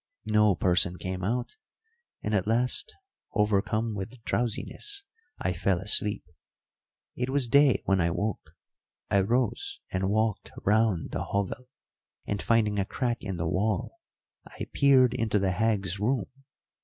No person came out; and at last, overcome with drowsiness, I fell asleep. It was day when I woke. I rose and walked round the hovel, and, finding a crack in the wall, I peered into the hag's room.